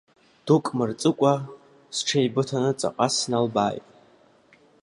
Дук мырҵыкәа сҽеибыҭаны ҵаҟа сналбааит.